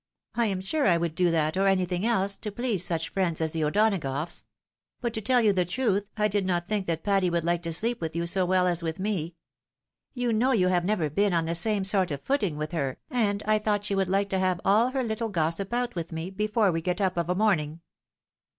I am sure I would do that, or anything else, to please such Mends as the O'Dona goughs ; but to teU you the truth, I did not think that Patty ■would like to sleep with you so well as with me. You know you have never been on the same sort of footing with her, and I thought she would like to have aU her httle gossip out with me, before we get up of a morning."